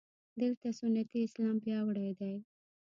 دلته سنتي اسلام پیاوړی دی.